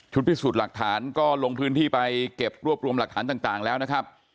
พิสูจน์หลักฐานก็ลงพื้นที่ไปเก็บรวบรวมหลักฐานต่างแล้วนะครับ